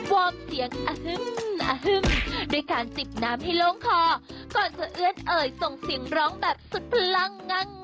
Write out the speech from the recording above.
วอร์มเสียงอฮึ้มอฮึ้งด้วยการจิบน้ำให้โล่งคอก่อนสะเอื้อนเอ่ยส่งเสียงร้องแบบสุดพลังงั่ง